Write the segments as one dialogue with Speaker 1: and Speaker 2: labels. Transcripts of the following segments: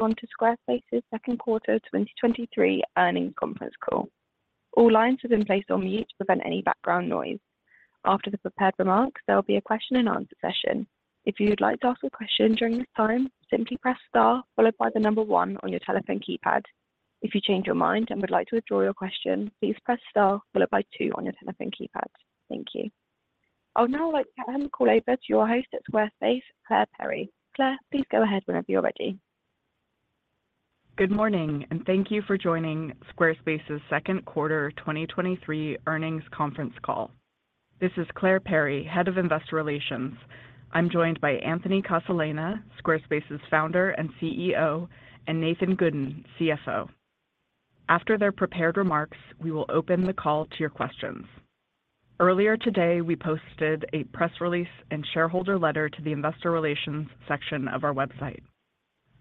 Speaker 1: Welcome to Squarespace's second quarter 2023 earnings conference call. All lines have been placed on mute to prevent any background noise. After the prepared remarks, there will be a question-and-answer session. If you'd like to ask a question during this time, simply press star followed by 1 on your telephone keypad. If you change your mind and would like to withdraw your question, please press star followed by 2 on your telephone keypad. Thank you. I would now like to hand the call over to your host at Squarespace, Claire Perry. Claire, please go ahead whenever you're ready.
Speaker 2: Good morning, and thank you for joining Squarespace's second quarter 2023 earnings conference call. This is Claire Perry, Head of Investor Relations. I'm joined by Anthony Casalena, Squarespace's Founder and CEO, and Nathan Gooden, CFO. After their prepared remarks, we will open the call to your questions. Earlier today, we posted a press release and shareholder letter to the investor relations section of our website.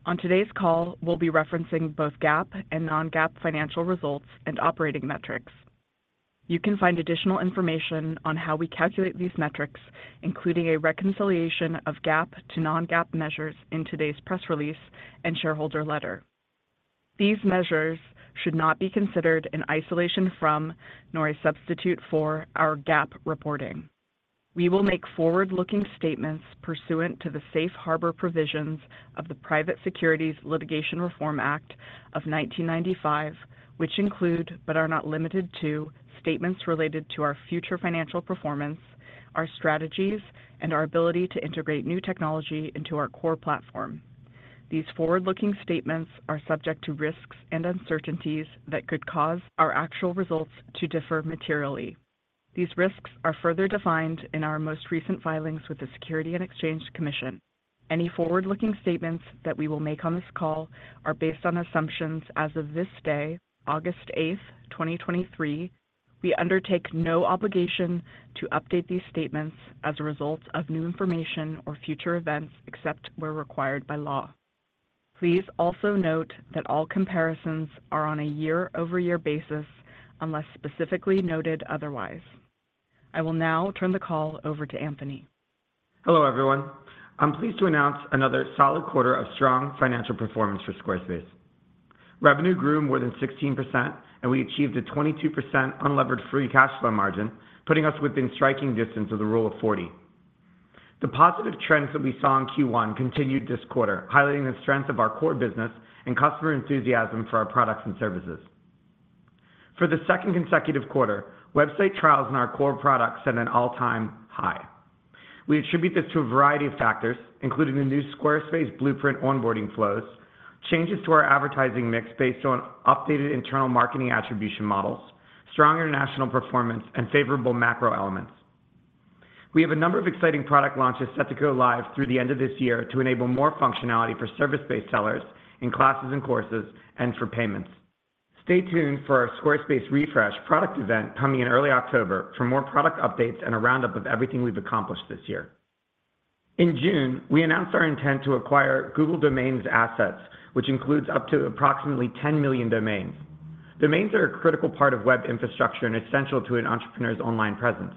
Speaker 2: On today's call, we'll be referencing both GAAP and non-GAAP financial results and operating metrics. You can find additional information on how we calculate these metrics, including a reconciliation of GAAP to non-GAAP measures in today's press release and shareholder letter. These measures should not be considered in isolation from, nor a substitute for, our GAAP reporting. We will make forward-looking statements pursuant to the Safe Harbor Provisions of the Private Securities Litigation Reform Act of 1995, which include, but are not limited to, statements related to our future financial performance, our strategies, and our ability to integrate new technology into our core platform. These forward-looking statements are subject to risks and uncertainties that could cause our actual results to differ materially. These risks are further defined in our most recent filings with the Securities and Exchange Commission. Any forward-looking statements that we will make on this call are based on assumptions as of this day, August eighth, 2023. We undertake no obligation to update these statements as a result of new information or future events, except where required by law. Please also note that all comparisons are on a year-over-year basis, unless specifically noted otherwise. I will now turn the call over to Anthony.
Speaker 3: Hello, everyone. I'm pleased to announce another solid quarter of strong financial performance for Squarespace. Revenue grew more than 16%, we achieved a 22% unlevered free cash flow margin, putting us within striking distance of the Rule of 40. The positive trends that we saw in Q1 continued this quarter, highlighting the strength of our core business and customer enthusiasm for our products and services. For the second consecutive quarter, website trials in our core products set an all-time high. We attribute this to a variety of factors, including the new Squarespace Blueprint onboarding flows, changes to our advertising mix based on updated internal marketing attribution models, strong international performance, and favorable macro elements. We have a number of exciting product launches set to go live through the end of this year to enable more functionality for service-based sellers in classes and courses and for payments. Stay tuned for our Squarespace Refresh product event coming in early October for more product updates and a roundup of everything we've accomplished this year. In June, we announced our intent to acquire Google Domains assets, which includes up to approximately 10 million domains. Domains are a critical part of web infrastructure and essential to an entrepreneur's online presence.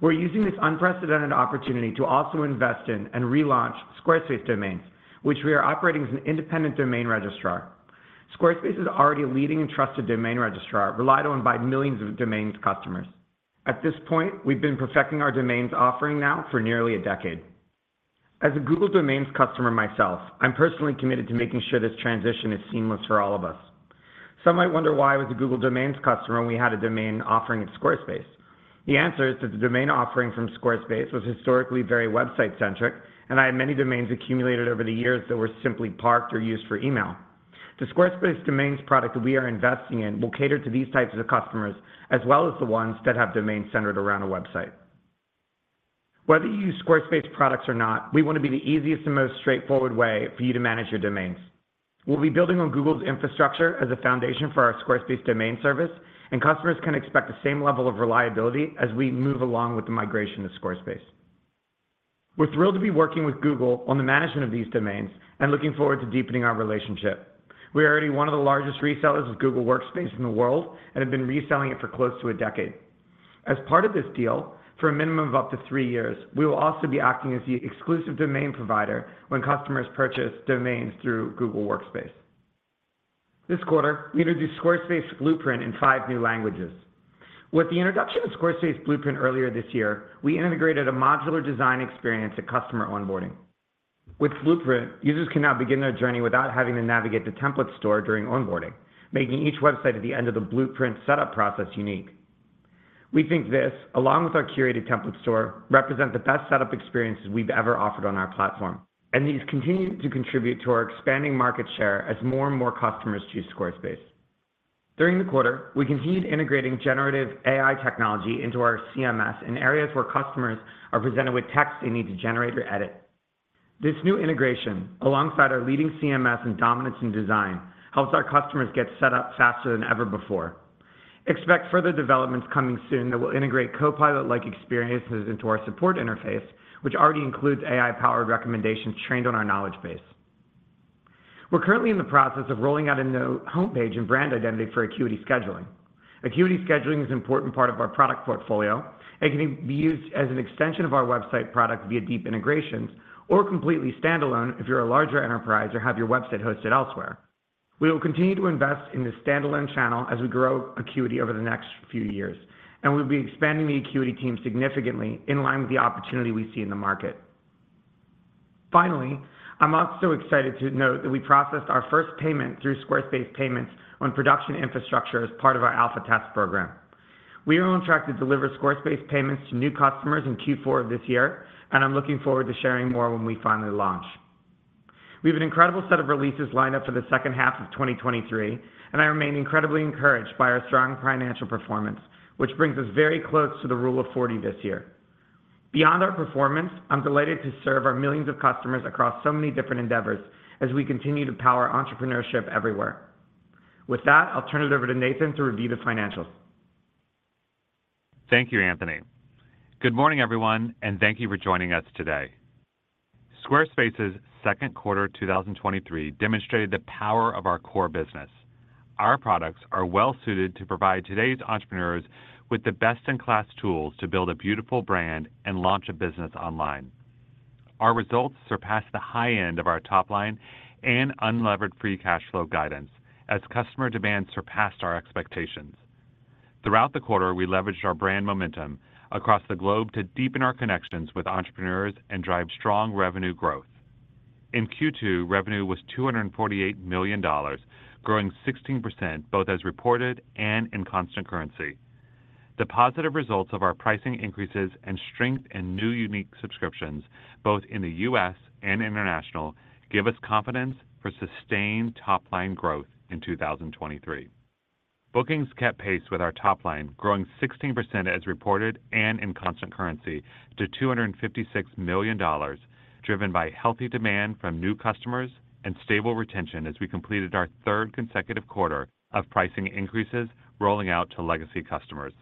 Speaker 3: We're using this unprecedented opportunity to also invest in and relaunch Squarespace Domains, which we are operating as an independent domain registrar. Squarespace is already a leading and trusted domain registrar, relied on by millions of domains customers. At this point, we've been perfecting our domains offering now for nearly a decade. As a Google Domains customer myself, I'm personally committed to making sure this transition is seamless for all of us. Some might wonder why I was a Google Domains customer when we had a domain offering at Squarespace. The answer is that the domain offering from Squarespace was historically very website-centric, and I had many domains accumulated over the years that were simply parked or used for email. The Squarespace Domains product that we are investing in will cater to these types of customers, as well as the ones that have domains centered around a website. Whether you use Squarespace products or not, we want to be the easiest and most straightforward way for you to manage your domains. We'll be building on Google's infrastructure as a foundation for our Squarespace domain service, and customers can expect the same level of reliability as we move along with the migration to Squarespace. We're thrilled to be working with Google on the management of these domains and looking forward to deepening our relationship. We are already one of the largest resellers of Google Workspace in the world and have been reselling it for close to a decade. As part of this deal, for a minimum of up to three years, we will also be acting as the exclusive domain provider when customers purchase domains through Google Workspace. This quarter, we introduced Squarespace Blueprint in five new languages. With the introduction of Squarespace Blueprint earlier this year, we integrated a modular design experience to customer onboarding. With Blueprint, users can now begin their journey without having to navigate the template store during onboarding, making each website at the end of the blueprint setup process unique. We think this, along with our curated template store, represent the best setup experiences we've ever offered on our platform, and these continue to contribute to our expanding market share as more and more customers choose Squarespace. During the quarter, we continued integrating generative AI technology into our CMS in areas where customers are presented with text they need to generate or edit. This new integration, alongside our leading CMS and dominance in design, helps our customers get set up faster than ever before. Expect further developments coming soon that will integrate Copilot-like experiences into our support interface, which already includes AI-powered recommendations trained on our knowledge base. We're currently in the process of rolling out a new homepage and brand identity for Acuity Scheduling. Acuity Scheduling is an important part of our product portfolio, and can be used as an extension of our website product via deep integrations, or completely standalone if you're a larger enterprise or have your website hosted elsewhere. We will continue to invest in this standalone channel as we grow Acuity over the next few years, and we'll be expanding the Acuity team significantly in line with the opportunity we see in the market. Finally, I'm also excited to note that we processed our first payment through Squarespace Payments on production infrastructure as part of our alpha test program. We are on track to deliver Squarespace Payments to new customers in Q4 of this year, and I'm looking forward to sharing more when we finally launch. We have an incredible set of releases lined up for the second half of 2023, and I remain incredibly encouraged by our strong financial performance, which brings us very close to the Rule of 40 this year. Beyond our performance, I'm delighted to serve our millions of customers across so many different endeavors as we continue to power entrepreneurship everywhere. With that, I'll turn it over to Nathan to review the financials.
Speaker 4: Thank you, Anthony. Good morning, everyone, and thank you for joining us today. Squarespace's second quarter 2023 demonstrated the power of our core business. Our products are well-suited to provide today's entrepreneurs with the best-in-class tools to build a beautiful brand and launch a business online. Our results surpassed the high end of our top line and unlevered free cash flow guidance as customer demand surpassed our expectations. Throughout the quarter, we leveraged our brand momentum across the globe to deepen our connections with entrepreneurs and drive strong revenue growth. In Q2, revenue was $248 million, growing 16% both as reported and in constant currency. The positive results of our pricing increases and strength in new Unique Subscriptions, both in the U.S. and international, give us confidence for sustained top-line growth in 2023. Bookings kept pace with our top line, growing 16% as reported and in constant currency to $256 million, driven by healthy demand from new customers and stable retention as we completed our third consecutive quarter of pricing increases rolling out to legacy customers.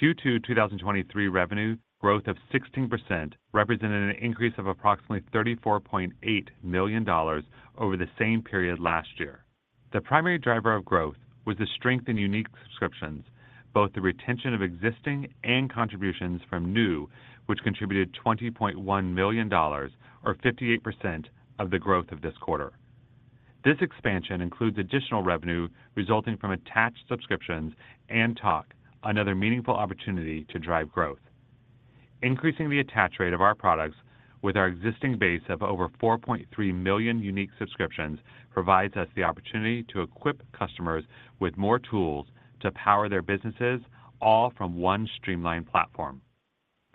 Speaker 4: Q2 2023 revenue growth of 16% represented an increase of approximately $34.8 million over the same period last year. The primary driver of growth was the strength in Unique Subscriptions, both the retention of existing and contributions from new, which contributed $20.1 million or 58% of the growth of this quarter. This expansion includes additional revenue resulting from attached subscriptions and Tock, another meaningful opportunity to drive growth. Increasing the attach rate of our products with our existing base of over 4.3 million Unique Subscriptions provides us the opportunity to equip customers with more tools to power their businesses, all from one streamlined platform.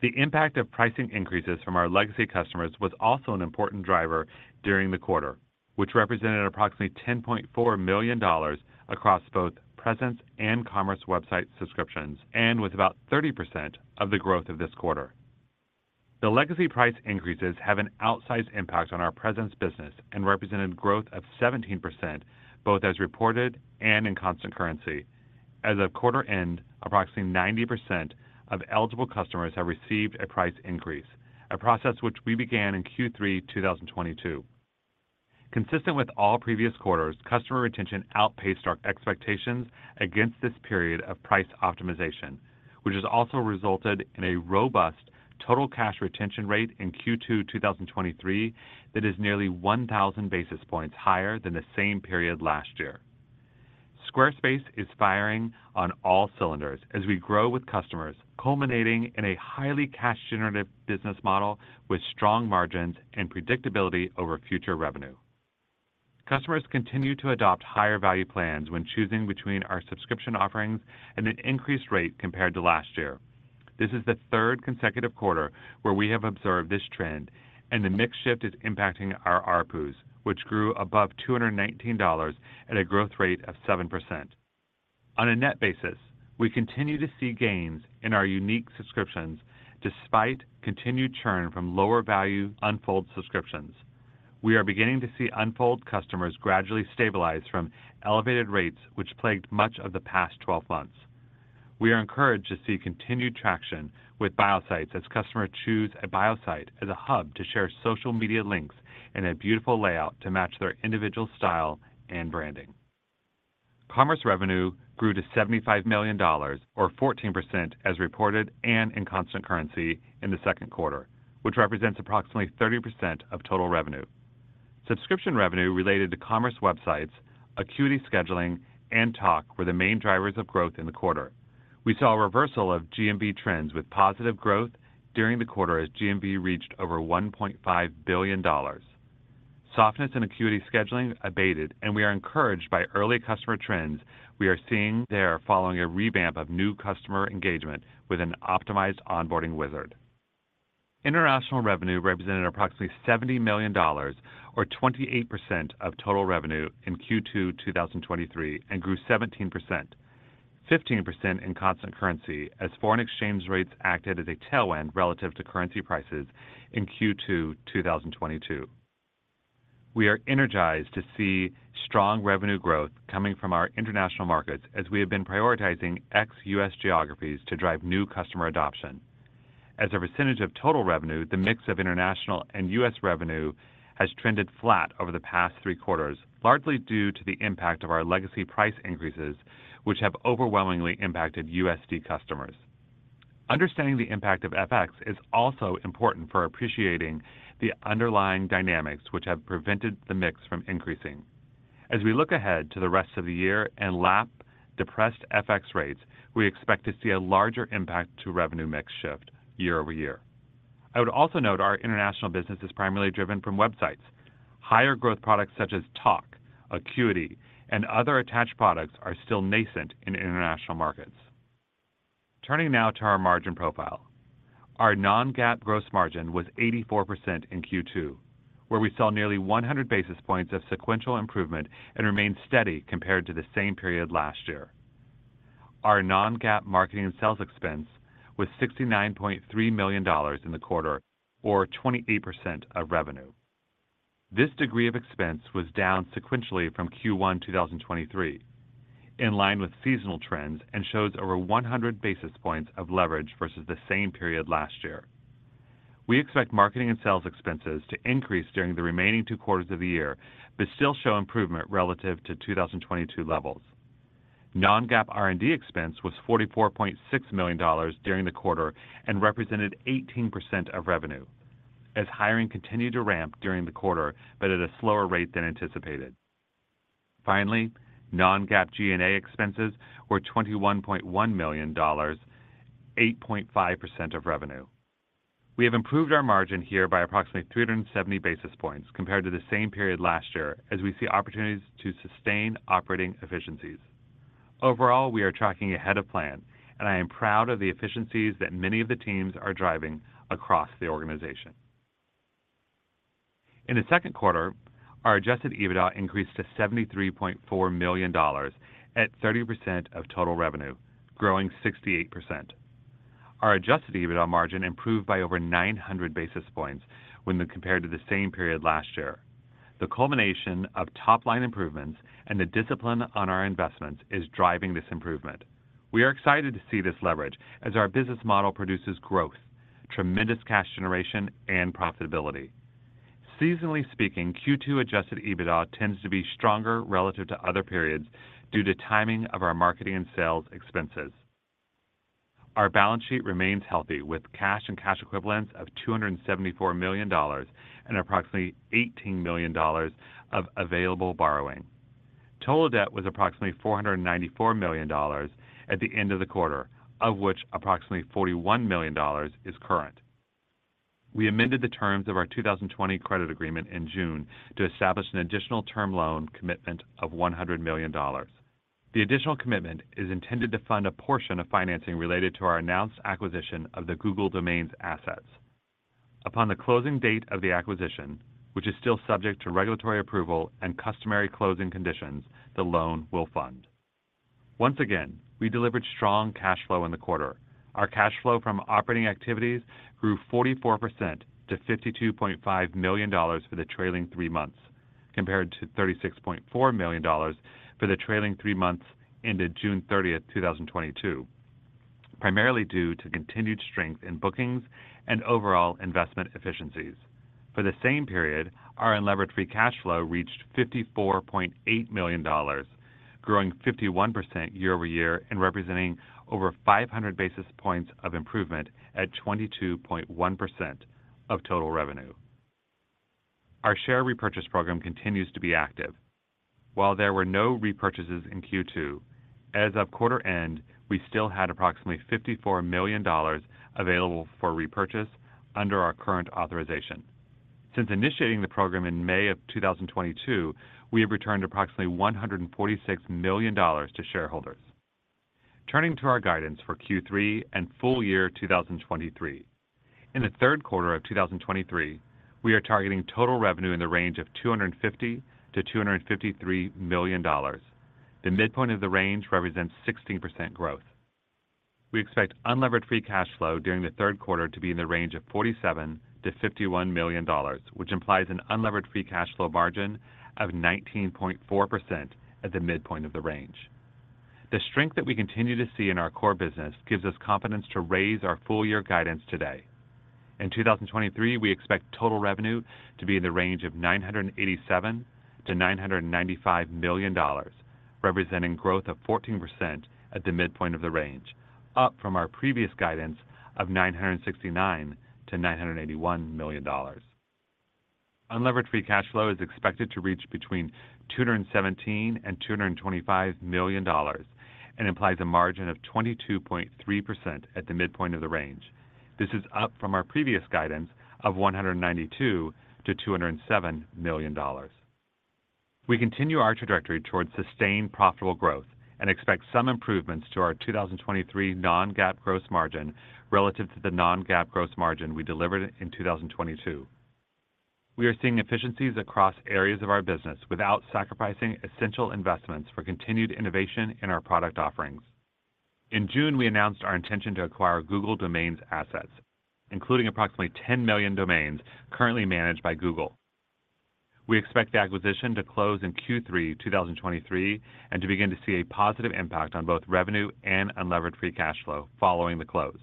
Speaker 4: The impact of pricing increases from our legacy customers was also an important driver during the quarter, which represented approximately $10.4 million across both presence and commerce website subscriptions, and with about 30% of the growth of this quarter. The legacy price increases have an outsized impact on our presence business and represented growth of 17%, both as reported and in constant currency. As of quarter end, approximately 90% of eligible customers have received a price increase, a process which we began in Q3 2022. Consistent with all previous quarters, customer retention outpaced our expectations against this period of price optimization, which has also resulted in a robust total cash retention rate in Q2 2023, that is nearly 1,000 basis points higher than the same period last year. Squarespace is firing on all cylinders as we grow with customers, culminating in a highly cash-generative business model with strong margins and predictability over future revenue. Customers continue to adopt higher value plans when choosing between our subscription offerings at an increased rate compared to last year. This is the third consecutive quarter where we have observed this trend, and the mix shift is impacting our ARPU, which grew above 219 at a growth rate of 7%. On a net basis, we continue to see gains in our unique subscriptions despite continued churn from lower-value Unfold subscriptions. We are beginning to see Unfold customers gradually stabilize from elevated rates, which plagued much of the past 12 months. We are encouraged to see continued traction with Bio Sites as customers choose a Bio Site as a hub to share social media links in a beautiful layout to match their individual style and branding. Commerce revenue grew to $75 million, or 14% as reported and in constant currency in the second quarter, which represents approximately 30% of total revenue. Subscription revenue related to commerce websites, Acuity Scheduling, and Tock were the main drivers of growth in the quarter. We saw a reversal of GMV trends with positive growth during the quarter as GMV reached over $1.5 billion. Softness in Acuity Scheduling abated, and we are encouraged by early customer trends we are seeing there following a revamp of new customer engagement with an optimized onboarding wizard. International revenue represented approximately $70 million or 28% of total revenue in Q2 2023, and grew 17%, 15% in constant currency as foreign exchange rates acted as a tailwind relative to currency prices in Q2 2022. We are energized to see strong revenue growth coming from our international markets as we have been prioritizing ex-U.S. geographies to drive new customer adoption.... As a percentage of total revenue, the mix of international and U.S. revenue has trended flat over the past three quarters, largely due to the impact of our legacy price increases, which have overwhelmingly impacted USD customers. Understanding the impact of FX is also important for appreciating the underlying dynamics, which have prevented the mix from increasing. As we look ahead to the rest of the year and lap depressed FX rates, we expect to see a larger impact to revenue mix shift year-over-year. I would also note our international business is primarily driven from websites. Higher growth products such as Tock, Acuity, and other attached products are still nascent in international markets. Turning now to our margin profile. Our non-GAAP gross margin was 84% in Q2, where we saw nearly 100 basis points of sequential improvement and remained steady compared to the same period last year. Our non-GAAP marketing and sales expense was $69.3 million in the quarter, or 28% of revenue. This degree of expense was down sequentially from Q1 2023, in line with seasonal trends, and shows over 100 basis points of leverage versus the same period last year. We expect marketing and sales expenses to increase during the remaining 2 quarters of the year, but still show improvement relative to 2022 levels. non-GAAP R&D expense was $44.6 million during the quarter and represented 18% of revenue, as hiring continued to ramp during the quarter, but at a slower rate than anticipated. Finally, non-GAAP G&A expenses were $21.1 million, 8.5% of revenue. We have improved our margin here by approximately 370 basis points compared to the same period last year as we see opportunities to sustain operating efficiencies. Overall, we are tracking ahead of plan, and I am proud of the efficiencies that many of the teams are driving across the organization. In the second quarter, our adjusted EBITDA increased to $73.4 million at 30% of total revenue, growing 68%. Our adjusted EBITDA margin improved by over 900 basis points when compared to the same period last year. The culmination of top-line improvements and the discipline on our investments is driving this improvement. We are excited to see this leverage as our business model produces growth, tremendous cash generation, and profitability. Seasonally speaking, Q2 adjusted EBITDA tends to be stronger relative to other periods due to timing of our marketing and sales expenses. Our balance sheet remains healthy, with cash and cash equivalents of $274 million and approximately $18 million of available borrowing. Total debt was approximately $494 million at the end of the quarter, of which approximately $41 million is current. We amended the terms of our 2020 credit agreement in June to establish an additional term loan commitment of $100 million. The additional commitment is intended to fund a portion of financing related to our announced acquisition of the Google Domains assets. Upon the closing date of the acquisition, which is still subject to regulatory approval and customary closing conditions, the loan will fund. Once again, we delivered strong cash flow in the quarter. Our cash flow from operating activities grew 44% to $52.5 million for the trailing 3 months, compared to $36.4 million for the trailing 3 months ended June 30, 2022, primarily due to continued strength in bookings and overall investment efficiencies. For the same period, our unlevered free cash flow reached $54.8 million, growing 51% year-over-year and representing over 500 basis points of improvement at 22.1% of total revenue. Our share repurchase program continues to be active. While there were no repurchases in Q2, as of quarter end, we still had approximately $54 million available for repurchase under our current authorization. Since initiating the program in May 2022, we have returned approximately $146 million to shareholders. Turning to our guidance for Q3 and full year 2023. In the third quarter of 2023, we are targeting total revenue in the range of $250 million-$253 million. The midpoint of the range represents 16% growth. We expect unlevered free cash flow during the third quarter to be in the range of $47 million-$51 million, which implies an unlevered free cash flow margin of 19.4% at the midpoint of the range. The strength that we continue to see in our core business gives us confidence to raise our full year guidance today. In 2023, we expect total revenue to be in the range of $987 million-$995 million, representing growth of 14% at the midpoint of the range, up from our previous guidance of $969 million-$981 million. Unlevered free cash flow is expected to reach between $217 million and $225 million, and implies a margin of 22.3% at the midpoint of the range. This is up from our previous guidance of $192 million-$207 million. We continue our trajectory towards sustained, profitable growth and expect some improvements to our 2023 non-GAAP gross margin relative to the non-GAAP gross margin we delivered in 2022. We are seeing efficiencies across areas of our business without sacrificing essential investments for continued innovation in our product offerings. In June, we announced our intention to acquire Google Domains assets, including approximately 10 million domains currently managed by Google. We expect the acquisition to close in Q3 2023 and to begin to see a positive impact on both revenue and unlevered free cash flow following the close.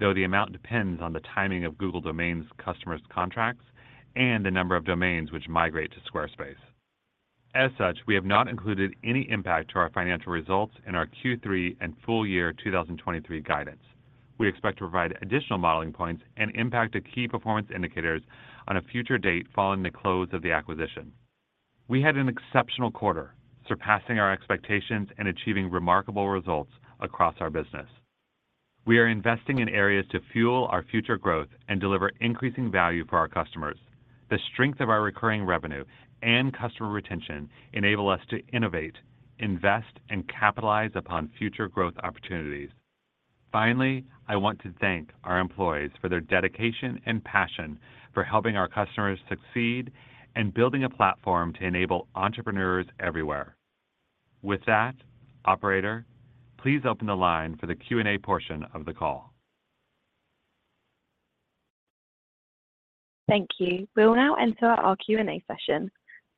Speaker 4: The amount depends on the timing of Google Domains customers' contracts and the number of domains which migrate to Squarespace. We have not included any impact to our financial results in our Q3 and full year 2023 guidance. We expect to provide additional modeling points and impact to key performance indicators on a future date following the close of the acquisition. We had an exceptional quarter, surpassing our expectations and achieving remarkable results across our business. We are investing in areas to fuel our future growth and deliver increasing value for our customers. The strength of our recurring revenue and customer retention enable us to innovate, invest, and capitalize upon future growth opportunities. Finally, I want to thank our employees for their dedication and passion for helping our customers succeed and building a platform to enable entrepreneurs everywhere. With that, operator, please open the line for the Q&A portion of the call.
Speaker 1: Thank you. We'll now enter our Q&A session.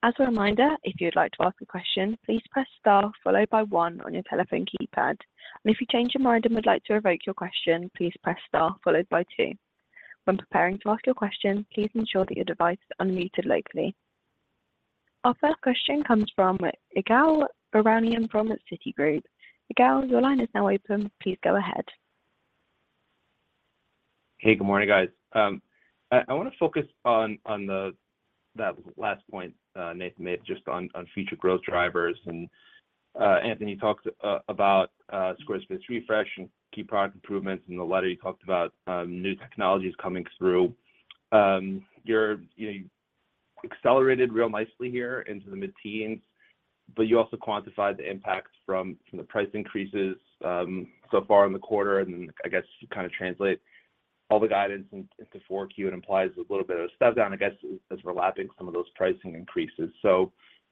Speaker 1: As a reminder, if you'd like to ask a question, please press star followed by one on your telephone keypad. If you change your mind and would like to revoke your question, please press star followed by two. When preparing to ask your question, please ensure that your device is unmuted locally. Our first question comes from Ygal Arounian from Citigroup. Ygal, your line is now open. Please go ahead.
Speaker 5: Hey, good morning, guys. I, I wanna focus on, on the, that last point, Nathan made just on, on future growth drivers. Anthony, you talked about Squarespace Refresh and key product improvements. In the letter, you talked about new technologies coming through. You're, you know, accelerated real nicely here into the mid-teens, but you also quantified the impact from the price increases so far in the quarter. I guess to kinda translate all the guidance into 4Q, it implies a little bit of a step down, I guess, as we're lapping some of those pricing increases.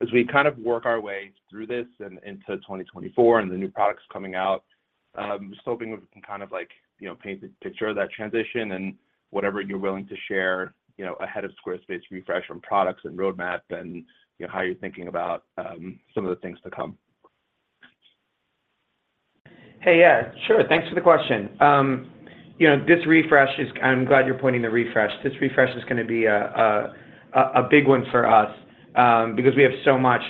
Speaker 5: As we kind of work our way through this and into 2024 and the new products coming out, I'm just hoping we can kind of like, you know, paint the picture of that transition and whatever you're willing to share, you know, ahead of Squarespace Refresh from products and roadmap and, you know, how you're thinking about, some of the things to come.
Speaker 3: Hey, yeah, sure. Thanks for the question. You know, this refresh. I'm glad you're pointing the refresh. This refresh is gonna be a big one for us, because we have so much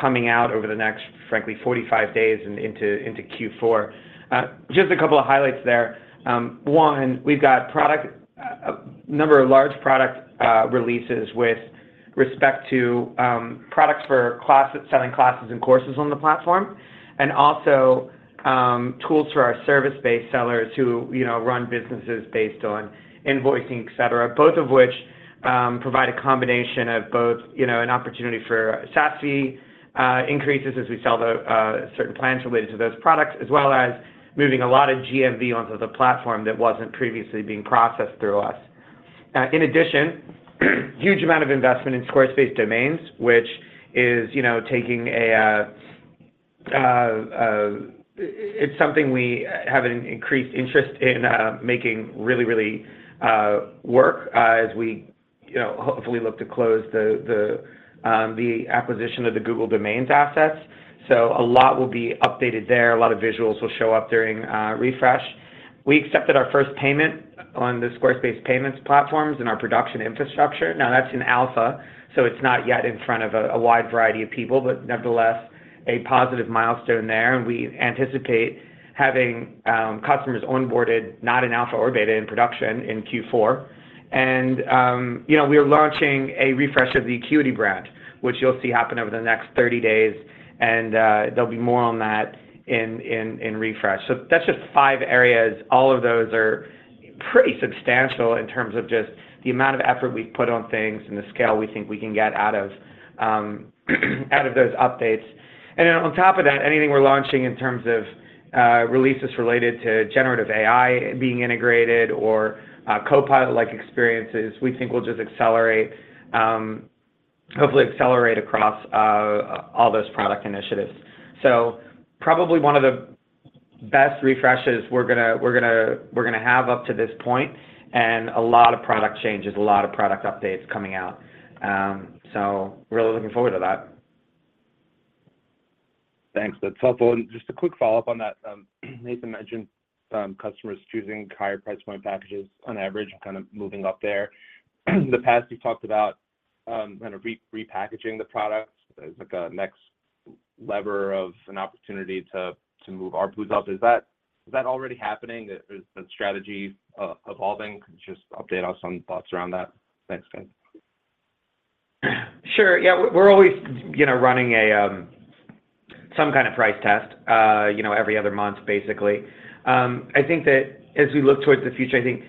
Speaker 3: coming out over the next, frankly, 45 days and into, into Q4. Just a couple of highlights there. One, we've got product, a number of large product releases with respect to products for classes, selling classes and courses on the platform, and also, tools for our service-based sellers who, you know, run businesses based on invoicing, et cetera, both of which provide a combination of both, you know, an opportunity for SaaS increases as we sell the certain plans related to those products, as well as moving a lot of GMV onto the platform that wasn't previously being processed through us. In addition, huge amount of investment in Squarespace Domains, which is, you know, taking a... It's something we have an increased interest in making really, really work as we, you know, hopefully look to close the, the, the acquisition of the Google Domains assets. A lot will be updated there. A lot of visuals will show up during Refresh. We accepted our first payment on the Squarespace Payments platforms and our production infrastructure. Now that's in alpha, so it's not yet in front of a, a wide variety of people, but nevertheless, a positive milestone there. We anticipate having customers onboarded, not in alpha or beta, in production in Q4. You know, we are launching a refresh of the Acuity brand, which you'll see happen over the next 30 days, there'll be more on that in, in, in Refresh. That's just five areas. All of those are pretty substantial in terms of just the amount of effort we've put on things and the scale we think we can get out of, out of those updates. On top of that, anything we're launching in terms of releases related to generative AI being integrated or Copilot-like experiences, we think will just accelerate, hopefully accelerate across all those product initiatives. Probably one of the best Refreshes we're gonna, we're gonna- we're gonna have up to this point, a lot of product changes, a lot of product updates coming out. Really looking forward to that.
Speaker 5: Thanks. That's helpful. Just a quick follow-up on that. Nathan mentioned some customers choosing higher price point packages on average and kind of moving up there. In the past, you talked about, kind of repackaging the products as like a next lever of an opportunity to, to move ARPU up. Is that, is that already happening? Is the strategy, evolving? Just update us on thoughts around that. Thanks, guys.
Speaker 3: Sure. Yeah, we're always, you know, running a, some kind of price test, you know, every other month, basically. I think that as we look towards the future, I think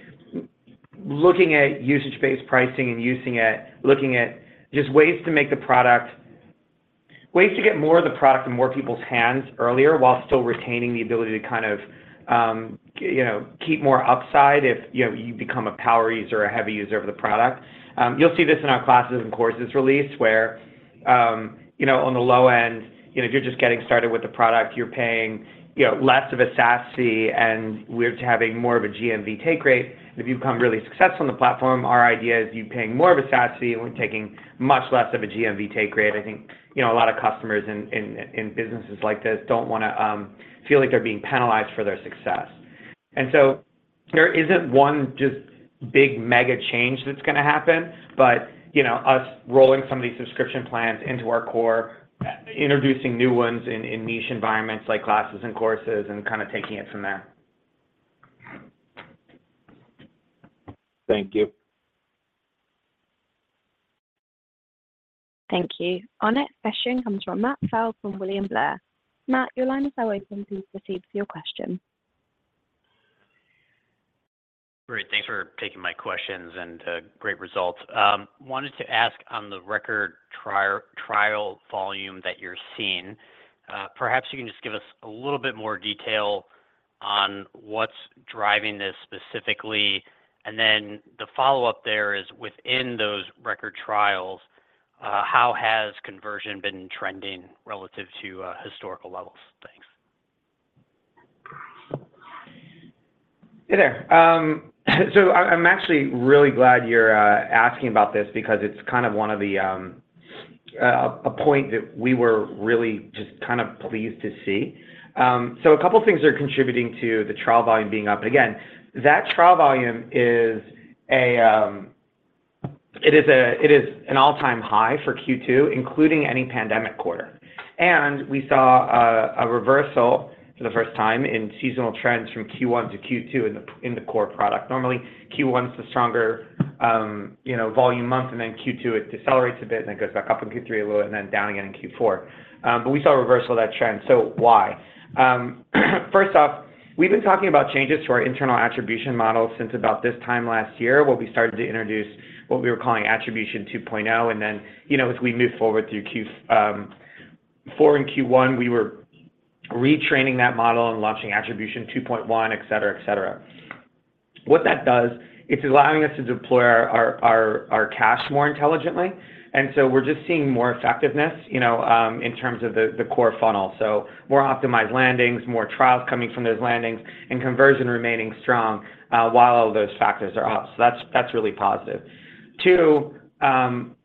Speaker 3: looking at usage-based pricing and using it, looking at just ways to make the product-- ways to get more of the product in more people's hands earlier, while still retaining the ability to kind of, you know, keep more upside if, you know, you become a power user or a heavy user of the product. You'll see this in our classes and courses release, you know, on the low end, you know, if you're just getting started with the product, you're paying, you know, less of a SaaS fee, and we're having more of a GMV take rate. If you become really successful on the platform, our idea is you paying more of a SaaS fee, and we're taking much less of a GMV take rate. I think, you know, a lot of customers in, in, in businesses like this don't wanna feel like they're being penalized for their success. So there isn't one just big mega change that's gonna happen, but, you know, us rolling some of these subscription plans into our core, introducing new ones in, in niche environments like classes and courses and kinda taking it from there.
Speaker 5: Thank you.
Speaker 1: Thank you. Our next question comes from Matt Fowle from William Blair. Matt, your line is now open. Please proceed with your question.
Speaker 6: Great. Thanks for taking my questions and great results. Wanted to ask on the record trial, trial volume that you're seeing, perhaps you can just give us a little bit more detail on what's driving this specifically, and then the follow-up there is within those record trials, how has conversion been trending relative to historical levels? Thanks.
Speaker 3: Hey there. I, I'm actually really glad you're asking about this because it's kind of one of the a point that we were really just kind of pleased to see. A couple of things are contributing to the trial volume being up. Again, that trial volume is a, it is an all-time high for Q2, including any pandemic quarter. We saw a reversal for the first time in seasonal trends from Q1 to Q2 in the core product. Normally, Q1 is the stronger, you know, volume month, and then Q2, it decelerates a bit, and then goes back up in Q3 a little, and then down again in Q4. We saw a reversal of that trend. Why? First off, we've been talking about changes to our internal attribution model since about this time last year, where we started to introduce what we were calling Attribution 2.0. Then, you know, as we moved forward through Q4 and Q1, we were retraining that model and launching Attribution 2.1, et cetera, et cetera. What that does, it's allowing us to deploy our, our, our, our cash more intelligently, and so we're just seeing more effectiveness, you know, in terms of the, the core funnel. More optimized landings, more trials coming from those landings, and conversion remaining strong, while all those factors are up. That's, that's really positive. Two,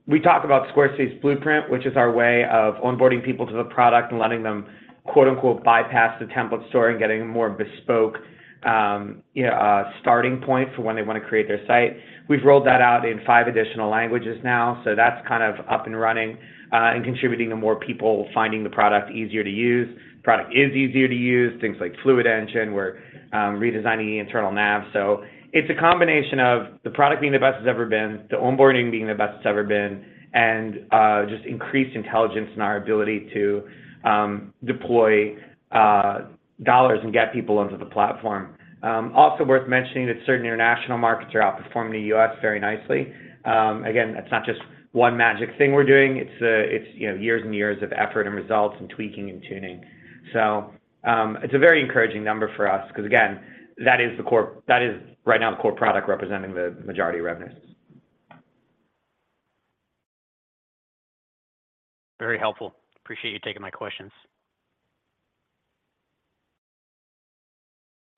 Speaker 3: we talk about Squarespace Blueprint, which is our way of onboarding people to the product and letting them, quote-unquote, "bypass the template store" and getting a more bespoke, you know, starting point for when they wanna create their site. We've rolled that out in 5 additional languages now, so that's kind of up and running, and contributing to more people finding the product easier to use. Product is easier to use, things like Fluid Engine, we're redesigning the internal nav. It's a combination of the product being the best it's ever been, the onboarding being the best it's ever been, and just increased intelligence in our ability to deploy dollars and get people onto the platform. Worth mentioning that certain international markets are outperforming the US very nicely. Again, it's not just one magic thing we're doing, it's, you know, years and years of effort and results and tweaking and tuning. It's a very encouraging number for us because, again, that is right now the core product representing the majority of revenues.
Speaker 6: Very helpful. Appreciate you taking my questions.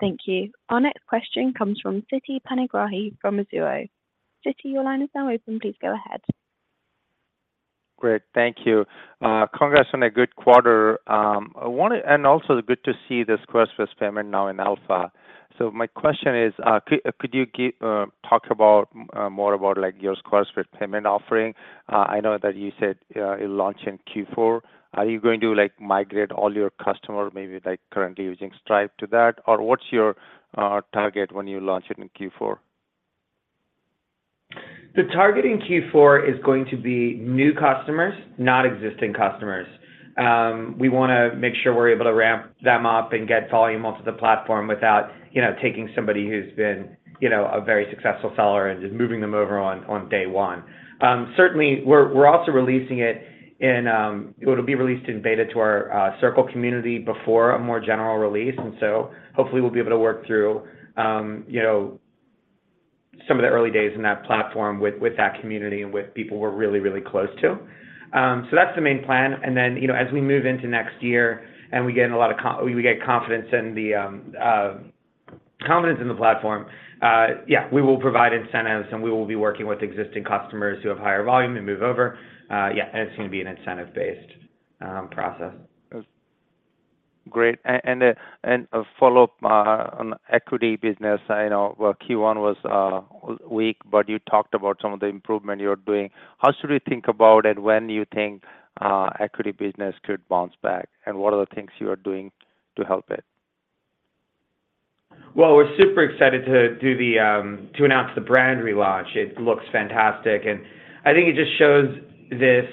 Speaker 1: Thank you. Our next question comes from Siti Panigrahi from Mizuho. Siti, your line is now open. Please go ahead.
Speaker 7: Great, thank you. Congrats on a good quarter. Also good to see the Squarespace Payments now in alpha. My question is, could you give talk about more about like your Squarespace Payments offering? I know that you said it'll launch in Q4. Are you going to, like, migrate all your customers, maybe, like, currently using Stripe to that? What's your target when you launch it in Q4?
Speaker 3: The target in Q4 is going to be new customers, not existing customers. We wanna make sure we're able to ramp them up and get volume onto the platform without, you know, taking somebody who's been, you know, a very successful seller and just moving them over on, on day one. Certainly, we're, we're also releasing it in. It'll be released in beta to our Squarespace Circle community before a more general release, and hopefully we'll be able to work through, you know, some of the early days in that platform with, with that community and with people we're really, really close to. That's the main plan. Then, you know, as we move into next year and we get a lot of we, we get confidence in the confidence in the platform, yeah, we will provide incentives, and we will be working with existing customers who have higher volume and move over. Yeah, and it's gonna be an incentive-based process.
Speaker 7: Great. A follow-up on Acuity business. I know, well, Q1 was weak, but you talked about some of the improvement you're doing. How should we think about it, when you think, Acuity business could bounce back, and what are the things you are doing to help it?
Speaker 3: Well, we're super excited to do the to announce the brand relaunch. It looks fantastic, and I think it just shows this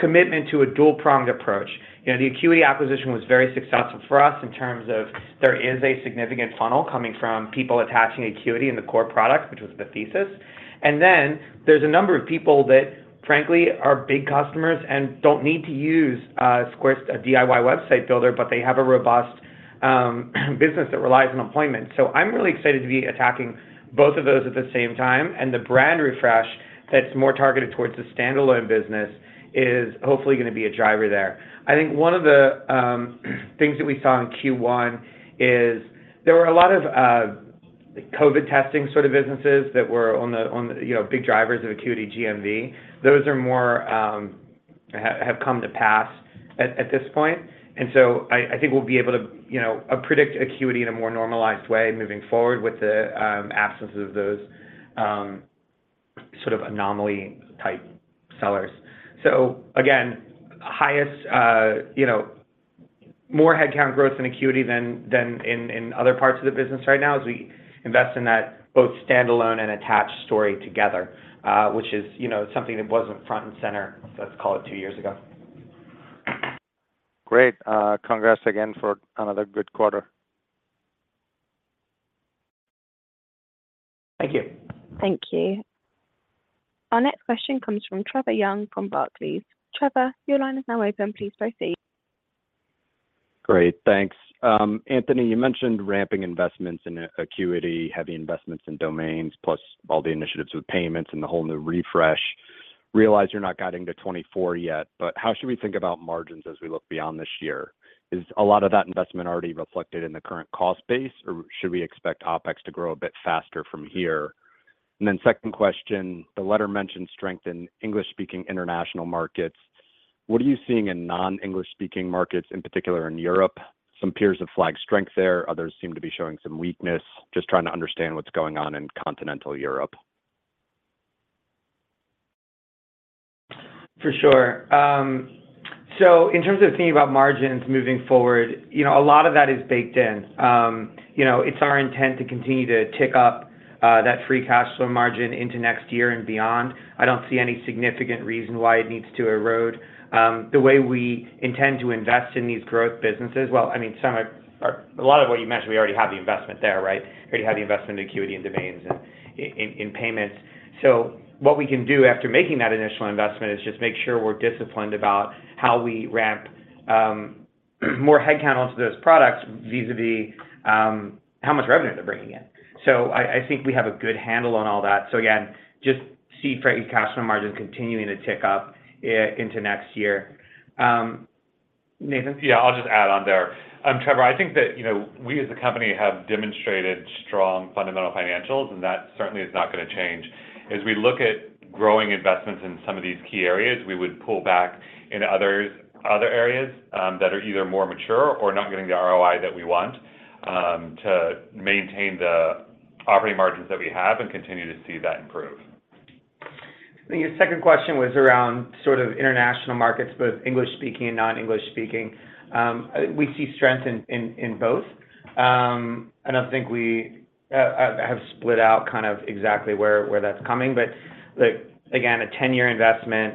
Speaker 3: commitment to a dual-pronged approach. You know, the Acuity acquisition was very successful for us in terms of there is a significant funnel coming from people attaching Acuity in the core product, which was the thesis. Then there's a number of people that, frankly, are big customers and don't need to use a DIY website builder, but they have a robust business that relies on appointments. I'm really excited to be attacking both of those at the same time, and the brand refresh that's more targeted towards the standalone business is hopefully gonna be a driver there. I think one of the things that we saw in Q1 is there were a lot of. The COVID testing sort of businesses that were on the, on the, you know, big drivers of Acuity GMV, those are more, have, have come to pass at, at this point. So I, I think we'll be able to, you know, predict Acuity in a more normalized way moving forward with the absence of those sort of anomaly-type sellers. Again, highest, you know, more headcount growth in Acuity than, than in, in other parts of the business right now as we invest in that both standalone and attached story together, which is, you know, something that wasn't front and center, let's call it 2 years ago.
Speaker 7: Great. Congrats again for another good quarter.
Speaker 3: Thank you.
Speaker 1: Thank you. Our next question comes from Trevor Young, from Barclays. Trevor, your line is now open. Please proceed.
Speaker 8: Great. Thanks. Anthony, you mentioned ramping investments in Acuity, heavy investments in domains, plus all the initiatives with payments and the whole new Squarespace Refresh. Realize you're not guiding to 2024 yet, how should we think about margins as we look beyond this year? Is a lot of that investment already reflected in the current cost base, or should we expect OpEx to grow a bit faster from here? Second question, the letter mentioned strength in English-speaking international markets. What are you seeing in non-English-speaking markets, in particular in Europe? Some peers have flagged strength there, others seem to be showing some weakness. Just trying to understand what's going on in continental Europe.
Speaker 3: For sure. So in terms of thinking about margins moving forward, you know, a lot of that is baked in. You know, it's our intent to continue to tick up that free cash flow margin into next year and beyond. I don't see any significant reason why it needs to erode. The way we intend to invest in these growth businesses, well, I mean, some are, a lot of what you mentioned, we already have the investment there, right? We already have the investment in Acuity, and Domains, and in payments. So what we can do after making that initial investment is just make sure we're disciplined about how we ramp more headcount onto those products vis-a-vis how much revenue they're bringing in. So I, I think we have a good handle on all that. Again, just see free cash flow margins continuing to tick up into next year. Nathan?
Speaker 4: Yeah, I'll just add on there. Trevor, I think that, you know, we as a company have demonstrated strong fundamental financials, and that certainly is not gonna change. As we look at growing investments in some of these key areas, we would pull back in others, other areas, that are either more mature or not getting the ROI that we want, to maintain the operating margins that we have and continue to see that improve.
Speaker 3: I think your second question was around sort of international markets, both English speaking and non-English speaking. We see strength in, in, in both. I don't think we have split out kind of exactly where, where that's coming, but, like, again, a 10-year investment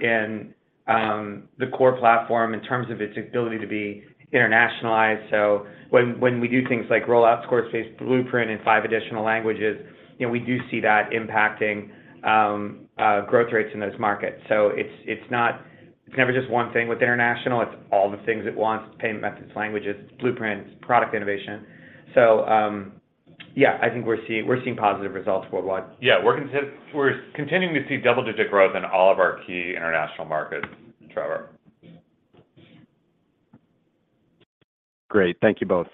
Speaker 3: in the core platform in terms of its ability to be internationalized. When, when we do things like roll out Squarespace Blueprint in five additional languages, you know, we do see that impacting growth rates in those markets. It's, it's not, it's never just one thing with international. It's all the things at once, payment methods, languages, blueprints, product innovation. Yeah, I think we're seeing, we're seeing positive results worldwide.
Speaker 4: Yeah, we're continuing to see double-digit growth in all of our key international markets, Trevor.
Speaker 8: Great. Thank you both.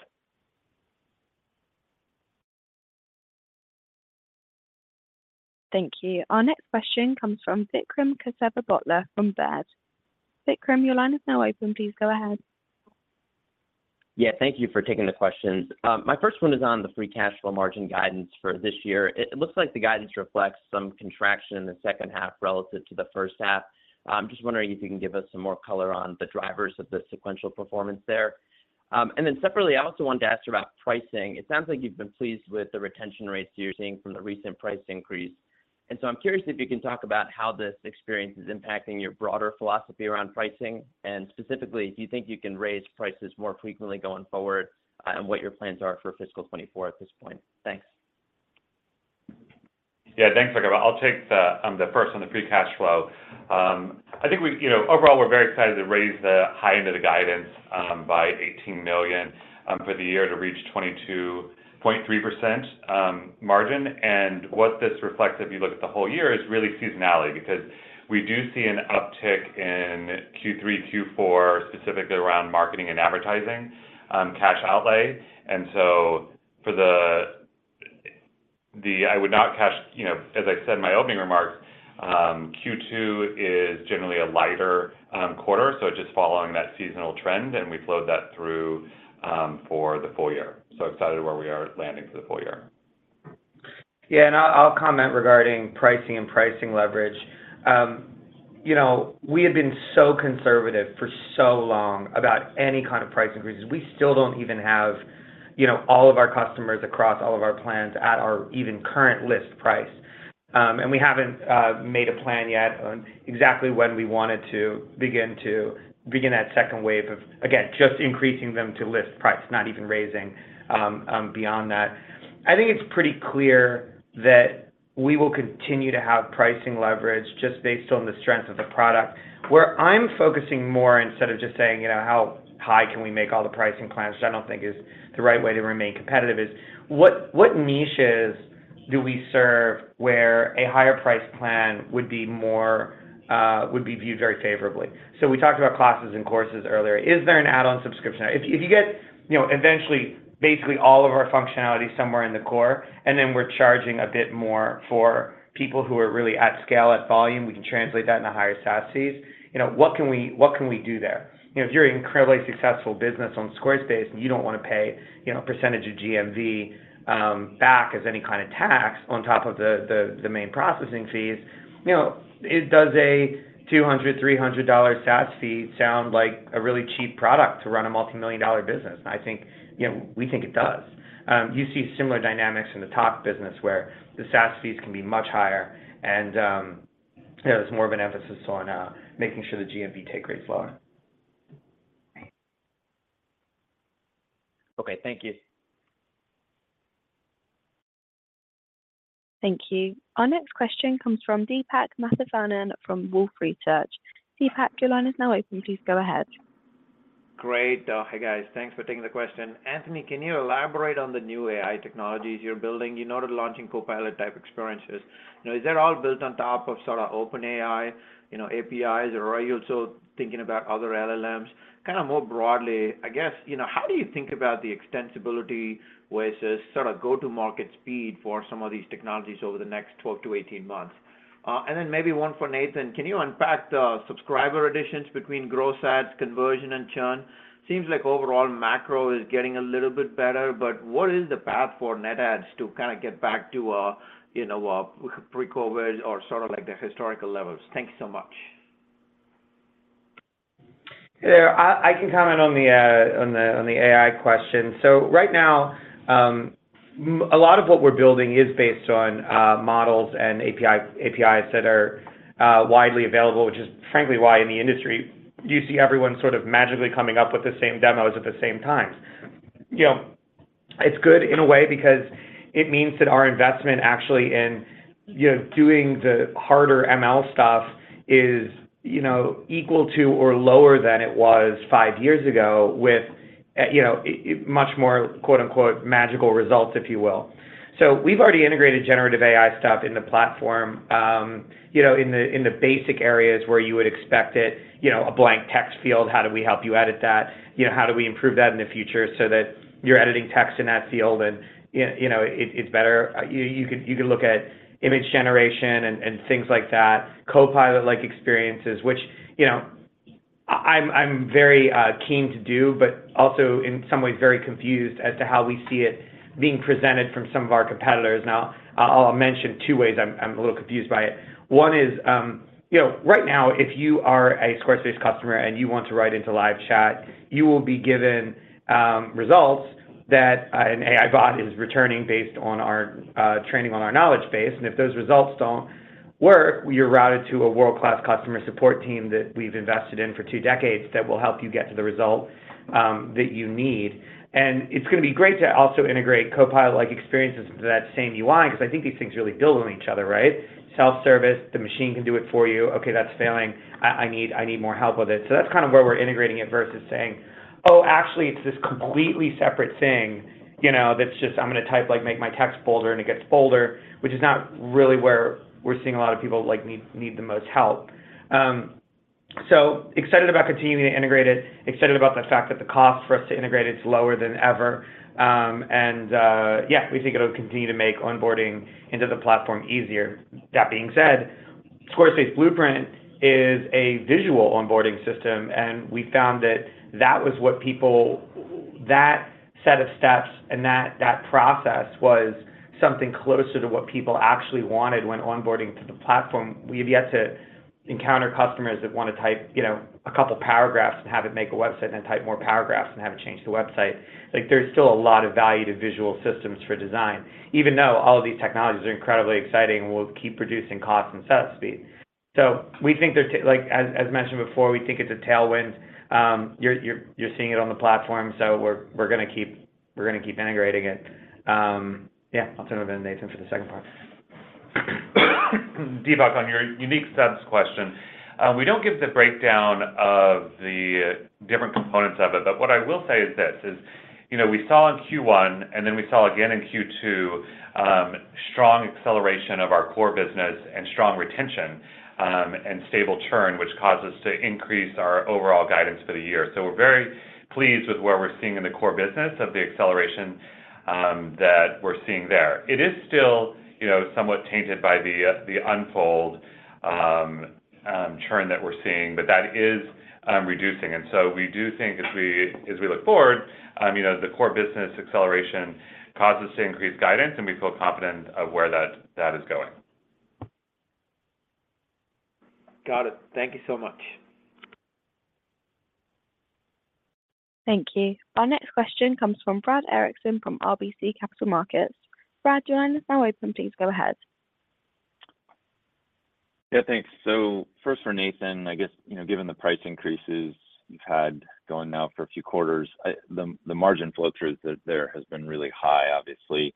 Speaker 1: Thank you. Our next question comes from Vikram Kesavabotla from Baird. Vikram, your line is now open. Please go ahead.
Speaker 9: Yeah, thank you for taking the questions. My first one is on the free cash flow margin guidance for this year. It, it looks like the guidance reflects some contraction in the second half relative to the first half. I'm just wondering if you can give us some more color on the drivers of the sequential performance there. Separately, I also wanted to ask about pricing. It sounds like you've been pleased with the retention rates you're seeing from the recent price increase. So I'm curious if you can talk about how this experience is impacting your broader philosophy around pricing, and specifically, do you think you can raise prices more frequently going forward, and what your plans are for fiscal 2024 at this point? Thanks.
Speaker 4: Yeah, thanks, Vikram. I'll take the, the first on the free cash flow. I think we, you know, overall, we're very excited to raise the high end of the guidance by $18 million for the year to reach 22.3% margin. What this reflects, if you look at the whole year, is really seasonality, because we do see an uptick in Q3, Q4, specifically around marketing and advertising cash outlay. I would not cash, you know, as I said in my opening remarks, Q2 is generally a lighter quarter, so just following that seasonal trend, and we flowed that through for the full year. Excited where we are landing for the full year.
Speaker 3: Yeah, and I'll, I'll comment regarding pricing and pricing leverage. You know, we have been so conservative for so long about any kind of price increases. We still don't even have, you know, all of our customers across all of our plans at our even current list price. We haven't made a plan yet on exactly when we wanted to begin to, begin that second wave of, again, just increasing them to list price, not even raising beyond that. I think it's pretty clear that we will continue to have pricing leverage just based on the strength of the product. Where I'm focusing more, instead of just saying, you know, how high can we make all the pricing plans, which I don't think is the right way to remain competitive, is what, what niches... do we serve where a higher price plan would be more, would be viewed very favorably? We talked about classes and courses earlier. Is there an add-on subscription? If, if you get, you know, eventually, basically all of our functionality somewhere in the core, and then we're charging a bit more for people who are really at scale, at volume, we can translate that into higher SaaS fees. You know, what can we, what can we do there? You know, if you're an incredibly successful business on Squarespace and you don't wanna pay, you know, percentage of GMV, back as any kind of tax on top of the, the, the main processing fees, you know, it does a $200-$300 SaaS fee sound like a really cheap product to run a multimillion-dollar business? I think, you know, we think it does. You see similar dynamics in the Tock business where the SaaS fees can be much higher, and there's more of an emphasis on making sure the GMV take rates lower.
Speaker 9: Okay, thank you.
Speaker 1: Thank you. Our next question comes from Deepak Mathivanan from Wolfe Research. Deepak, your line is now open. Please go ahead.
Speaker 10: Great. Hi, guys. Thanks for taking the question. Anthony, can you elaborate on the new AI technologies you're building in order to launching Copilot type experiences? You know, is that all built on top of sort of OpenAI, you know, APIs, or are you also thinking about other LLMs? Kind of more broadly, I guess, you know, how do you think about the extensibility versus sort of go-to-market speed for some of these technologies over the next 12-18 months? Then maybe one for Nathan. Can you unpack the subscriber additions between growth ads, conversion, and churn? Seems like overall macro is getting a little bit better, what is the path for net ads to kinda get back to a, you know, a pre-COVID or sort of like the historical levels? Thank you so much.
Speaker 3: Yeah, I, I can comment on the, on the, on the AI question. Right now, a lot of what we're building is based on models and API, APIs that are widely available, which is frankly why in the industry you see everyone sort of magically coming up with the same demos at the same time. You know, it's good in a way because it means that our investment actually in, you know, doing the harder ML stuff is, you know, equal to or lower than it was five years ago, with, you know, much more, quote-unquote, "magical results," if you will. We've already integrated generative AI stuff in the platform, you know, in the, in the basic areas where you would expect it, you know, a blank text field. How do we help you edit that? You know, how do we improve that in the future so that you're editing text in that field and, you, you know, it, it's better? You, you could, you could look at image generation and, and things like that, Copilot-like experiences, which, you know, I'm, I'm very keen to do, but also in some ways very confused as to how we see it being presented from some of our competitors. I'll mention two ways I'm, I'm a little confused by it. One is, you know, right now, if you are a Squarespace customer and you want to write into live chat, you will be given results that an AI bot is returning based on our training on our knowledge base, and if those results don't work, you're routed to a world-class customer support team that we've invested in for two decades that will help you get to the result that you need. It's gonna be great to also integrate Copilot-like experiences into that same UI, because I think these things really build on each other, right? Self-service, the machine can do it for you. Okay, that's failing. I, I need, I need more help with it. That's kind of where we're integrating it versus saying, "Oh, actually, it's this completely separate thing, you know, that's just I'm gonna type, like, make my text bolder, and it gets bolder," which is not really where we're seeing a lot of people like, need, need the most help. So excited about continuing to integrate it, excited about the fact that the cost for us to integrate it is lower than ever. And, yeah, we think it'll continue to make onboarding into the platform easier. That being said, Squarespace Blueprint is a visual onboarding system, and we found that that was what people... That set of steps and that, that process was something closer to what people actually wanted when onboarding to the platform. We've yet to encounter customers that wanna type, you know, a couple paragraphs and have it make a website, and then type more paragraphs and have it change the website. Like, there's still a lot of value to visual systems for design, even though all of these technologies are incredibly exciting and will keep reducing cost and set up speed. We think there's, like, as, as mentioned before, we think it's a tailwind. You're, you're, you're seeing it on the platform, we're, we're gonna keep, we're gonna keep integrating it. Yeah, I'll turn it over to Nathan for the second part.
Speaker 4: Deepak, on your unique subs question, we don't give the breakdown of the different components of it, but what I will say is this: is, you know, we saw in Q1, and then we saw again in Q2, strong acceleration of our core business and strong retention, and stable churn, which caused us to increase our overall guidance for the year. We're very pleased with what we're seeing in the core business of the acceleration that we're seeing there. It is still, you know, somewhat tainted by the Unfold churn that we're seeing, but that is reducing. We do think as we, as we look forward, you know, the core business acceleration causes us to increase guidance, and we feel confident of where that, that is going.
Speaker 10: Got it. Thank you so much.
Speaker 1: Thank you. Our next question comes from Brad Erickson from RBC Capital Markets. Brad, your line is now open. Please go ahead.
Speaker 11: Yeah, thanks. First for Nathan, I guess, you know, given the price increases you've had going now for a few quarters, the, the margin flow through there has been really high, obviously.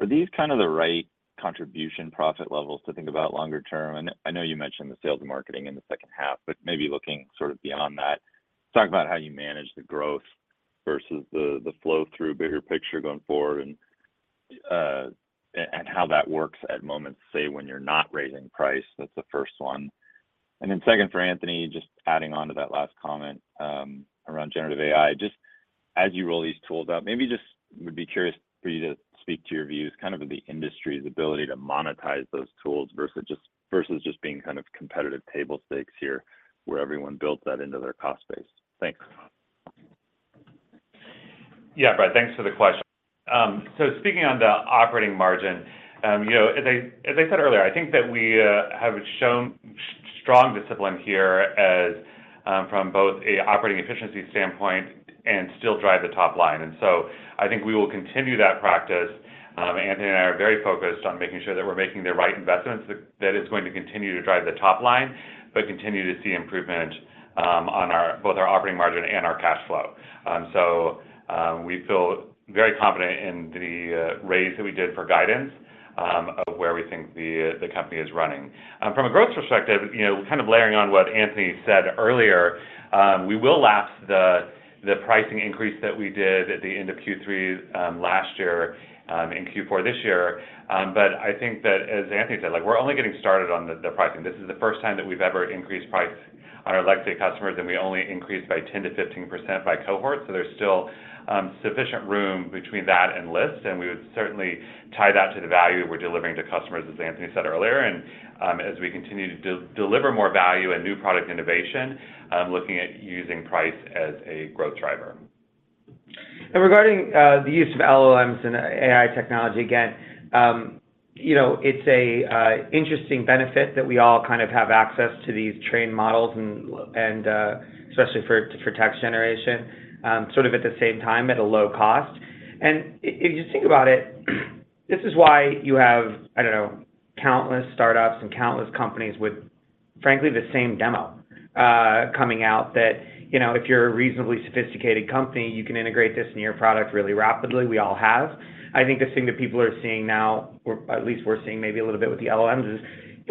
Speaker 11: Are these kind of the right contribution profit levels to think about longer term? I know you mentioned the sales and marketing in the second half. Maybe looking sort of beyond that, talk about how you manage the growth versus the flow through bigger picture going forward and how that works at moments, say, when you're not raising price. That's the first one. Then second, for Anthony, just adding on to that last comment, around generative AI, just as you roll these tools out, maybe just would be curious for you to speak to your views, kind of the industry's ability to monetize those tools, versus just being kind of competitive table stakes here, where everyone builds that into their cost base. Thanks.
Speaker 4: Yeah, Brad, thanks for the question. Speaking on the operating margin, you know, as I, as I said earlier, I think that we have shown strong discipline here as from both an operating efficiency standpoint and still drive the top line. I think we will continue that practice. Anthony and I are very focused on making sure that we're making the right investments, that, that is going to continue to drive the top line, but continue to see improvement on our, both our operating margin and our cash flow. We feel very confident in the raise that we did for guidance of where we think the company is running. From a growth perspective, you know, kind of layering on what Anthony said earlier, we will lapse the, the pricing increase that we did at the end of Q3 last year in Q4 this year. I think that, as Anthony said, like, we're only getting started on the, the pricing. This is the first time that we've ever increased price on our legacy customers, and we only increased by 10%-15% by cohort, so there's still sufficient room between that and list, and we would certainly tie that to the value we're delivering to customers, as Anthony said earlier. As we continue to de-deliver more value and new product innovation, looking at using price as a growth driver.
Speaker 3: Regarding the use of LLMs and AI technology, again, you know, it's an interesting benefit that we all kind of have access to these trained models and, and especially for, for text generation, sort of at the same time, at a low cost. If you think about it, this is why you have, I don't know, countless startups and countless companies with, frankly, the same demo, coming out that, you know, if you're a reasonably sophisticated company, you can integrate this in your product really rapidly. We all have. I think the thing that people are seeing now, or at least we're seeing maybe a little bit with the LLMs,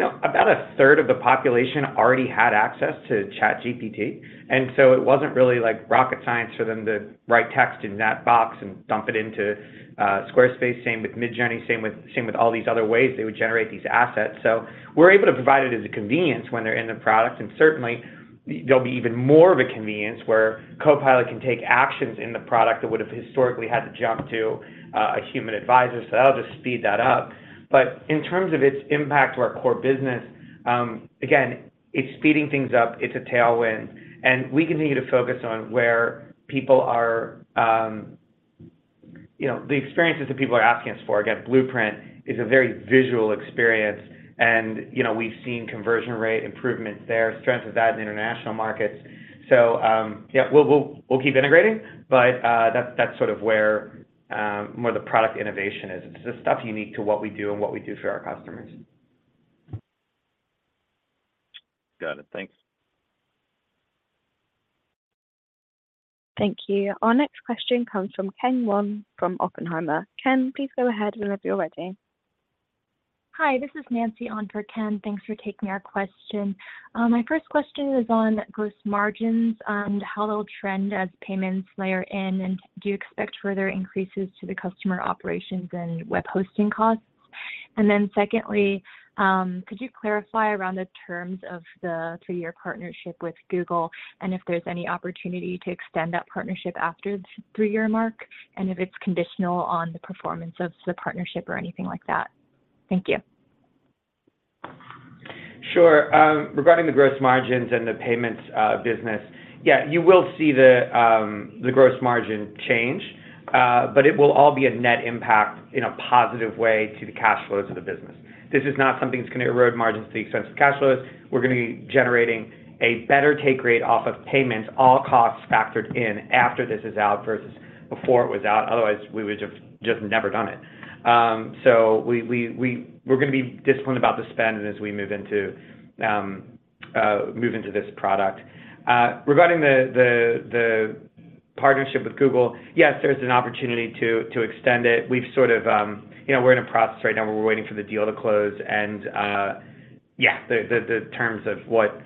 Speaker 3: is, you know, about one-third of the population already had access to ChatGPT. It wasn't really like rocket science for them to write text in that box and dump it into Squarespace. Same with Midjourney, same with, same with all these other ways they would generate these assets. We're able to provide it as a convenience when they're in the product, and certainly, there'll be even more of a convenience where Copilot can take actions in the product that would have historically had to jump to a human advisor. That'll just speed that up. In terms of its impact to our core business, again, it's speeding things up, it's a tailwind, and we continue to focus on where people are. You know, the experiences that people are asking us for. Again, Blueprint is a very visual experience, and, you know, we've seen conversion rate improvements there, strength of that in the international markets. Yeah, we'll, we'll, we'll keep integrating, but that's, that's sort of where, where the product innovation is. It's the stuff unique to what we do and what we do for our customers.
Speaker 11: Got it. Thanks.
Speaker 1: Thank you. Our next question comes from Ken Wong from Oppenheimer. Ken, please go ahead whenever you're ready.
Speaker 12: Hi, this is Nancy on for Ken. Thanks for taking our question. My first question is on gross margins and how they'll trend as payments layer in, do you expect further increases to the customer operations and web hosting costs? Secondly, could you clarify around the terms of the 3-year partnership with Google, and if there's any opportunity to extend that partnership after the 3-year mark, and if it's conditional on the performance of the partnership or anything like that? Thank you.
Speaker 3: Sure. Regarding the gross margins and the payments business, yeah, you will see the gross margin change, but it will all be a net impact in a positive way to the cash flows of the business. This is not something that's going to erode margins to the extent of cash flows. We're going to be generating a better take rate off of payments, all costs factored in after this is out, versus before it was out, otherwise we would have just never done it. We, we're going to be disciplined about the spend as we move into, move into this product. Regarding the partnership with Google, yes, there's an opportunity to, to extend it. We've sort of, you know, we're in a process right now where we're waiting for the deal to close, and, yeah, the, the, the terms of what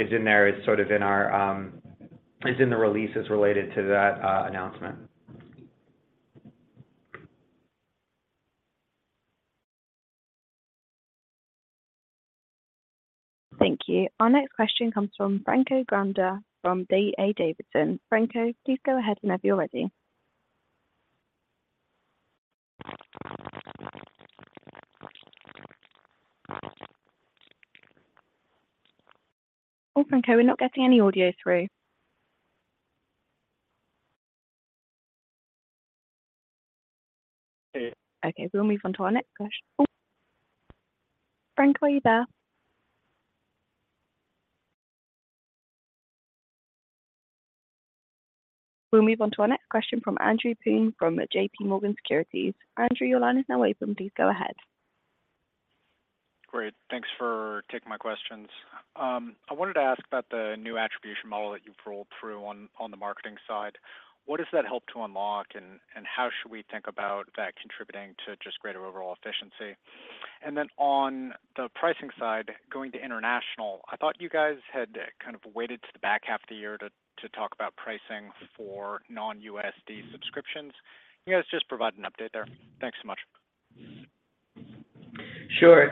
Speaker 3: is in there is sort of in our, is in the releases related to that announcement.
Speaker 1: Thank you. Our next question comes from Franco Granda, from D.A. Davidson & Co. Franco, please go ahead whenever you're ready. Oh, Franco, we're not getting any audio through.
Speaker 13: Hey.
Speaker 1: Okay, we'll move on to our next question. Oh, Franco, are you there? We'll move on to our next question from Andrew Boone from J.P. Morgan Securities. Andrew, your line is now open. Please go ahead.
Speaker 14: Great. Thanks for taking my questions. I wanted to ask about the new attribution model that you've rolled through on, on the marketing side. What does that help to unlock, and, and how should we think about that contributing to just greater overall efficiency? Then on the pricing side, going to international, I thought you guys had kind of waited to the back half of the year to, to talk about pricing for non-USD subscriptions. Can you guys just provide an update there? Thanks so much.
Speaker 3: Sure.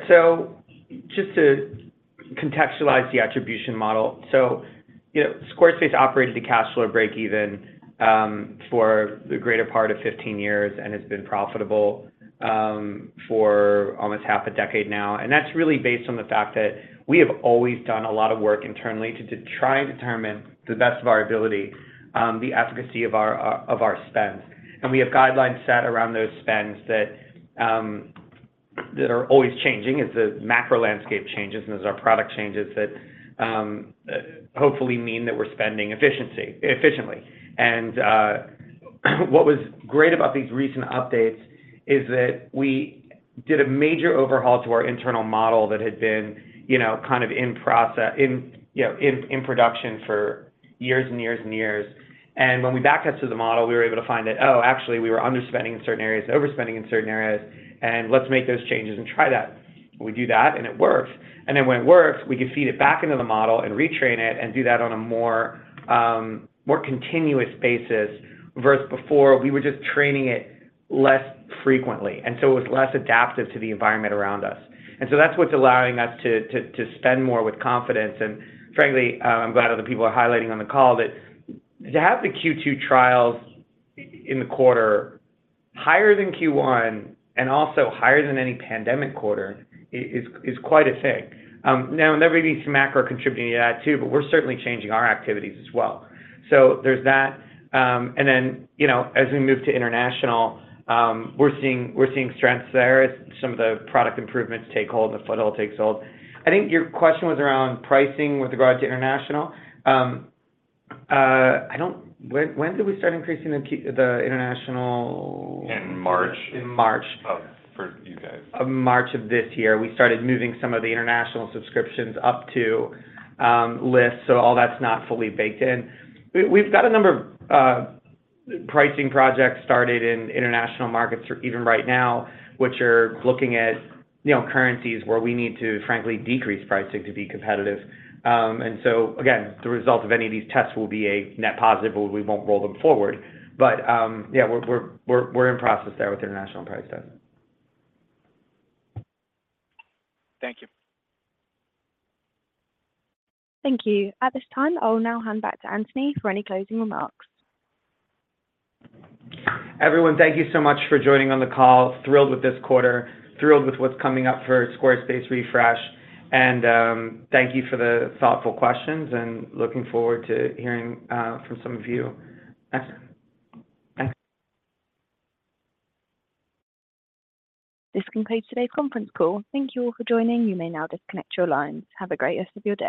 Speaker 3: Just to contextualize the attribution model. You know, Squarespace operated a cash flow break even for the greater part of 15 years, and has been profitable for almost 5 years now. That's really based on the fact that we have always done a lot of work internally to, to try and determine, to the best of our ability, the efficacy of our, of our spends. We have guidelines set around those spends that are always changing as the macro landscape changes and as our product changes, that hopefully mean that we're spending efficiency- efficiently. What was great about these recent updates is that we did a major overhaul to our internal model that had been, you know, kind of in process, in, you know, in, in production for years and years and years. When we backed up to the model, we were able to find that, oh, actually, we were underspending in certain areas, overspending in certain areas, and let's make those changes and try that. We do that, and it works. Then when it works, we can feed it back into the model and retrain it and do that on a more, more continuous basis, versus before, we were just training it less frequently, and so it was less adaptive to the environment around us. So that's what's allowing us to, to, to spend more with confidence. Frankly, I'm glad other people are highlighting on the call that to have the Q2 trials in the quarter higher than Q1 and also higher than any pandemic quarter is, is quite a thing. Now, there may be some macro contributing to that too, but we're certainly changing our activities as well. There's that. You know, as we move to international, we're seeing, we're seeing strengths there as some of the product improvements take hold, the foothold takes hold. I think your question was around pricing with regard to international. I don't-- When, when did we start increasing the q- the international...
Speaker 4: In March.
Speaker 3: In March.
Speaker 14: Oh, for you guys.
Speaker 3: March of this year, we started moving some of the international subscriptions up to list, so all that's not fully baked in. We've got a number of pricing projects started in international markets, even right now, which are looking at, you know, currencies where we need to frankly decrease pricing to be competitive. Again, the result of any of these tests will be a net positive, or we won't roll them forward. Yeah, we're in process there with international price testing.
Speaker 14: Thank you.
Speaker 1: Thank you. At this time, I'll now hand back to Anthony for any closing remarks.
Speaker 3: Everyone, thank you so much for joining on the call. Thrilled with this quarter, thrilled with what's coming up for Squarespace Refresh. Thank you for the thoughtful questions. Looking forward to hearing from some of you. Thanks.
Speaker 1: This concludes today's conference call. Thank you all for joining. You may now disconnect your lines. Have a great rest of your day.